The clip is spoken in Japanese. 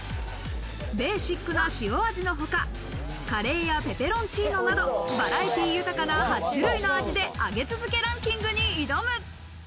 ベーシックな塩味のほか、カレーやペペロンチーノなど、バラエティー豊かな８種類の味で上げ続けランキングに挑む。